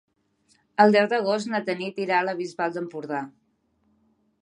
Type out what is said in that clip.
El deu d'agost na Tanit irà a la Bisbal d'Empordà.